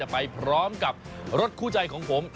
ไปพร้อมกับรถคู่ใจของผม